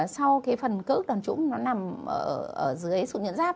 sau cái phần cỡ đòn trũng nó nằm ở dưới sự nhận giáp